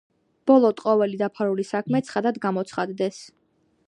ბოლოდ ყოვლი დაფარული საქმე ცხადად გამოცხადდეს